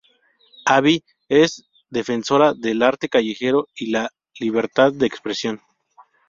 Abby es defensora del arte callejero y la libertad de expresión.